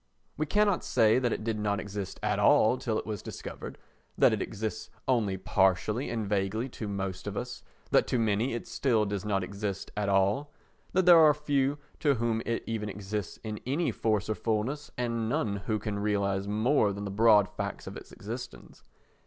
We cannot say that it did not exist at all till it was discovered, that it exists only partially and vaguely to most of us, that to many it still does not exist at all, that there are few to whom it even exists in any force or fullness and none who can realise more than the broad facts of its existence.